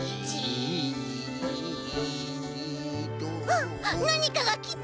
「あっなにかがきた！」。